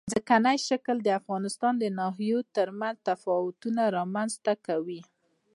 ځمکنی شکل د افغانستان د ناحیو ترمنځ تفاوتونه رامنځ ته کوي.